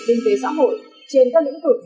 kinh tế xã hội trên các lĩnh vực